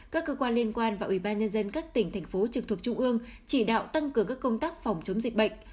các cơ quan liên quan và ủy ban nhân dân các tỉnh thành phố trực thuộc trung ương chỉ đạo tăng cường các công tác phòng chống dịch bệnh